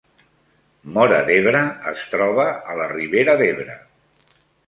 Móra d’Ebre es troba a la Ribera d’Ebre